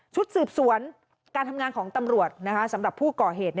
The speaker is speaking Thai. ชุดสืบสวนการทำงานของตำรวจสำหรับผู้ก่อเหตุ